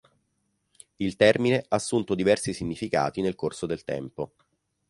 Il termine ha assunto diversi significati nel corso del tempo.